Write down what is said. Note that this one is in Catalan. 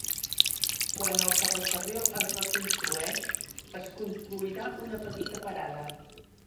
Quan el ferrocarril es reconstrueix, es construirà una petita parada.